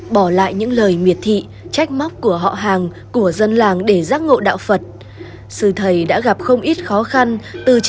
bỏ lại những lời miệt thị trách móc của họ hàng của dân làng để giác ngộ đạo phật